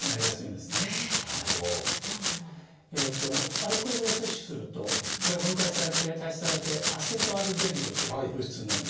アルコールを摂取するとこれが分解されて代謝されて「アセトアルデヒド」という物質になります。